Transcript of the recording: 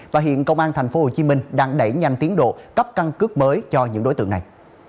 và hiện công an tp hcm đang đẩy nhanh tiến độ cấp căn cước mới cho những đối tượng này